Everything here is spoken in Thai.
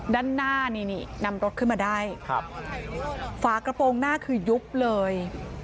ด้านหน้านี่นี่นำรถขึ้นมาได้ครับฝากระโปรงหน้าคือยุบเลย